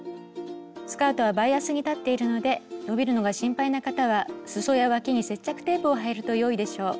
スカートはバイアスに裁っているので伸びるのが心配な方はすそやわきに接着テープを貼るとよいでしょう。